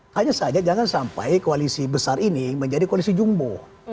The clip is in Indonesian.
hanya saja jangan sampai koalisi besar ini menjadi koalisi jumbo